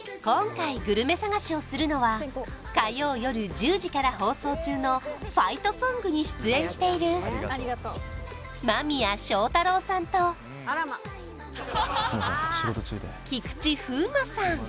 今回グルメ探しをするのは火曜夜１０時から放送中の「ファイトソング」に出演している間宮祥太朗さんと菊池風磨さん